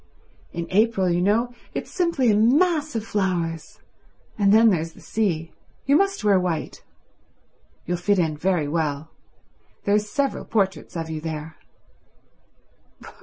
"In April, you know, it's simply a mass of flowers. And then there's the sea. You must wear white. You'll fit in very well. There are several portraits of you there."